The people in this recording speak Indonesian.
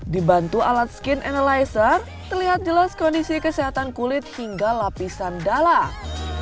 dibantu alat skin analyzer terlihat jelas kondisi kesehatan kulit hingga lapisan dalam